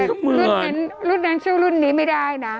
แต่รูปนั้นชื่อรุ่นนี้ไม่ได้นะ